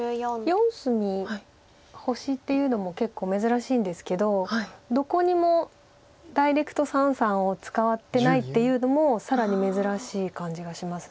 ４隅星っていうのも結構珍しいんですけどどこにもダイレクト三々を使ってないっていうのも更に珍しい感じがします。